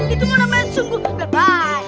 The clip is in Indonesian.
itu mau namanya sungguh bye bye